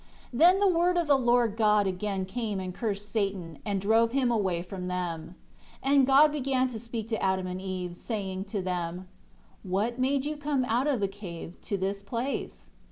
3 Then the Word of the Lord God again came and cursed Satan, and drove him away from them. 4 And God began to speak to Adam and Eve, saying to them, "What made you come out of the cave, to this place?"